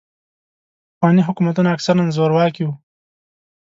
پخواني حکومتونه اکثراً زورواکي وو.